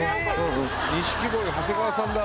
錦鯉・長谷川さんだ。